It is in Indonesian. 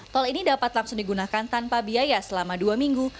tol ini dapat langsung digunakan tanpa biaya selama dua minggu